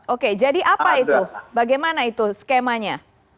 oke jadi apa itu bagaimana itu skemanya